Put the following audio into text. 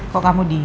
kok kamu diam